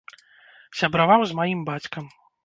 Сябраваў з маім бацькам.